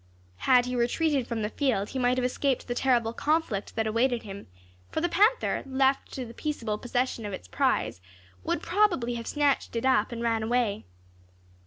Had he retreated from the field he might have escaped the terrible conflict that awaited him, for the panther, left to the peaceable possession of its prize, would probably have snatched it up and ran away.